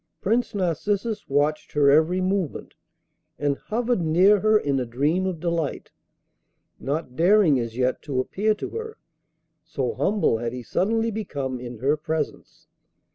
Prince Narcissus watched her every movement, and hovered near her in a dream of delight, not daring as yet to appear to her, so humble had he suddenly become in her presence.